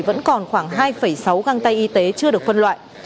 vẫn còn khoảng hai sáu găng tay y tế chưa được phân loại